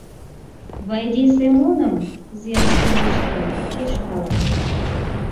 Вайди Семоным земский начальник пеш пала.